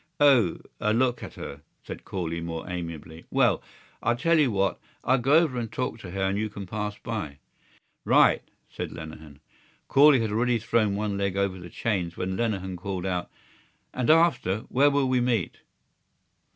"O.... A look at her?" said Corley, more amiably. "Well ... I'll tell you what. I'll go over and talk to her and you can pass by." "Right!" said Lenehan. Corley had already thrown one leg over the chains when Lenehan called out: "And after? Where will we meet?"